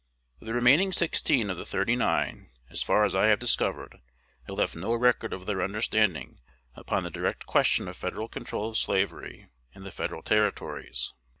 The remaining sixteen of the "thirty nine," so far as I have discovered, have left no record of their understanding upon the direct question of Federal control of slavery in the Federal Territories.